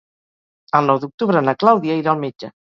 El nou d'octubre na Clàudia irà al metge.